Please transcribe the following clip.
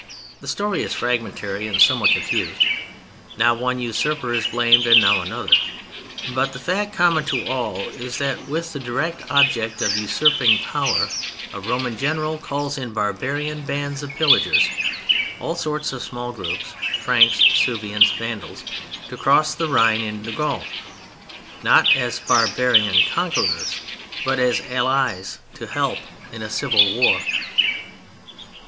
The story is fragmentary and somewhat confused: now one usurper is blamed, and now another, but the fact common to all is that with the direct object of usurping power a Roman General calls in barbarian bands of pillagers (all sorts of small groups, Franks, Suevians, Vandals) to cross the Rhine into Gaul, not as barbarian "conquerors," but as allies, to help in a civil war.